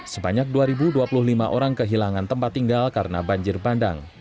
sebanyak dua dua puluh lima orang kehilangan tempat tinggal karena banjir bandang